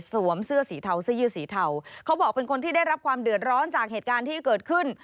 เสื้อสีเทาเสื้อยืดสีเทาเขาบอกเป็นคนที่ได้รับความเดือดร้อนจากเหตุการณ์ที่เกิดขึ้น